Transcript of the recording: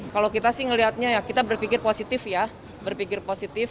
kalau kita sih melihatnya ya kita berpikir positif ya berpikir positif